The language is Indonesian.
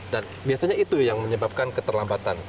dan biasanya itu yang menyebabkan keterlambatan